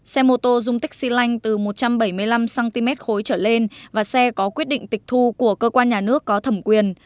xe mô tô dung tích xy lanh từ một trăm bảy mươi năm cm khối trở lên và xe có quyết định tịch thu của cơ quan nhà nước có thẩm quyền